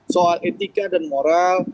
soal etika dan moral